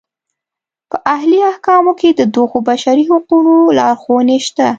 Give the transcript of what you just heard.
په الهي احکامو کې د دغو بشري حقونو لارښوونې شته.